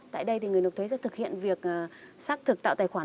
tại đây thì người nộp thuế sẽ thực hiện việc xác thực tạo tài khoản